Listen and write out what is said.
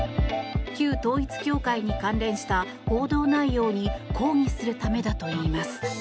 旧統一教会に関連した報道内容に抗議するためだといいます。